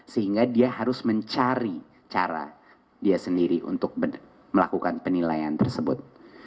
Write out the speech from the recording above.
sehingga dia harus mencari cara dia sendiri untuk melakukan penilaian tersebut